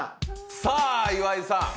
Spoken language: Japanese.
さあ岩井さん。